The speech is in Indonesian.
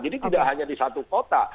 jadi tidak hanya di satu kota